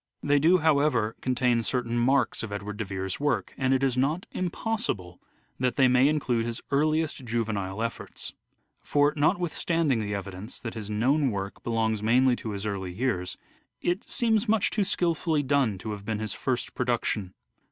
They do, however, contain certain marks of Edward de Vere's work, and it is not impossible that they may include his earliest juvenile efforts. For notwithstanding the evidence that his known work belongs mainly to his early years, it seems much too skilfully done to have been his first production.